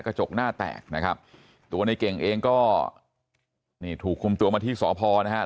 กระจกหน้าแตกนะครับตัวในเก่งเองก็นี่ถูกคุมตัวมาที่สพนะครับ